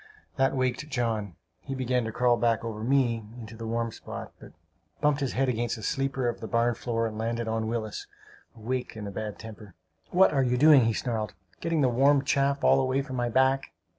That waked John; he began to crawl back over me into the warm spot, but bumped his head against a sleeper of the barn floor and landed on Willis, who waked in a bad temper. "What you doing!" he snarled. "Getting the warm chaff all away from my back!"